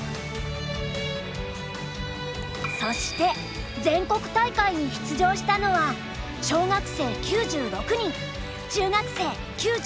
そして全国大会に出場したのは小学生９６人中学生９５人だよ。